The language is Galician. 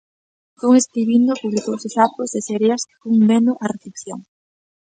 Fun escribindo, publicouse Sapos e sereas e fun vendo a recepción.